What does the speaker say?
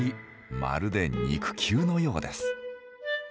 まるで肉球のようです。